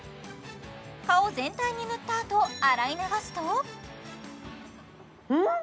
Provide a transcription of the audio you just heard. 顔全体に塗ったあと洗い流すとうん！？